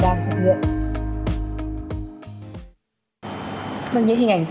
bảo vệ an ninh của quốc